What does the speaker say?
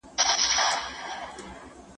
زه مخکي مکتب ته تللي وو!